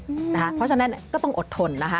เพราะฉะนั้นก็ต้องอดทนนะคะ